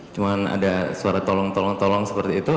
cuma ada suara tolong tolong tolong seperti itu